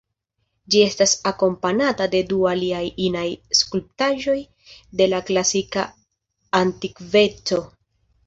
Ĝi estas akompanata de du aliaj inaj skulptaĵoj de la klasika antikveco.